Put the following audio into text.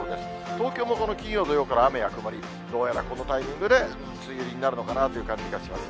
東京もこの金曜、土曜から雨や曇り、どうやらこのタイミングで梅雨入りになるのかなという感じがします。